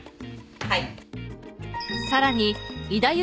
はい。